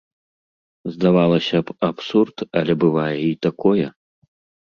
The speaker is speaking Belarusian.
Здавалася б, абсурд, але бывае і такое.